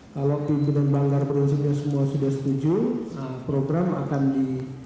kalau pimpinan banggar prinsipnya semua sudah setuju program akan di